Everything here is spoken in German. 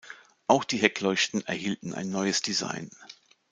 Auch die Heckleuchten erhielten ein neues Design.